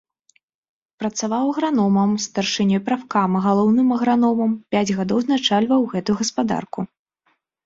Працаваў аграномам, старшынёй прафкама, галоўным аграномам, пяць гадоў узначальваў гэтую гаспадарку.